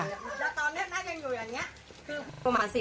แล้วตอนนั้นน่าจะอยู่อย่างนี้